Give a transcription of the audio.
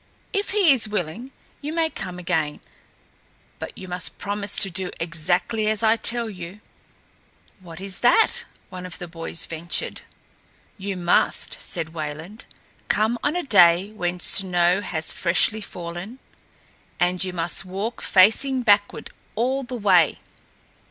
If he is willing, you may come again; but you must promise to do exactly as I tell you." "What is that?" one of the boys ventured. "You must," said Wayland, "come on a day when snow has freshly fallen, and you must walk facing backward all the way."